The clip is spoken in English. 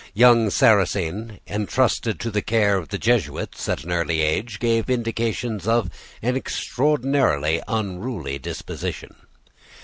Young Sarrasine, entrusted to the care of the Jesuits at an early age, gave indications of an extraordinarily unruly disposition.